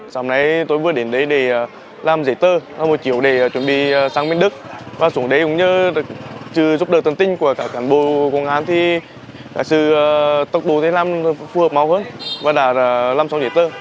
sau này tôi vừa đến đây để làm giải tơ một chiều để chuẩn bị sang bến đức và xuống đấy cũng như chứ giúp được tân tinh của cả cán bộ công an thì sự tốc độ thế làm phù hợp mạo hơn và đã làm xong giải tơ